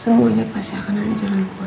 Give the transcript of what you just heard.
semuanya pasti akan ada jalan keluar